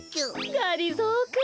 がりぞーくん。